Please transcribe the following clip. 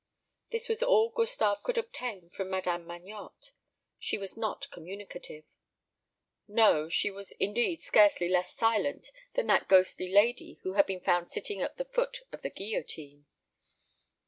This was all Gustave could obtain from Madame Magnotte. She was not communicative. No; she was, indeed, scarcely less silent than that ghostly lady who had been found sitting at the foot of the guillotine.